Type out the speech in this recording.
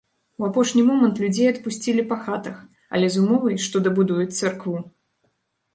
У апошні момант людзей адпусцілі па хатах, але з умовай, што дабудуюць царкву.